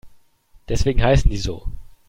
Deswegen heißen die so.